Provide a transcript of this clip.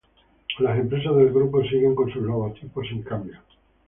Las empresas del grupo siguen con sus logotipos sin cambios.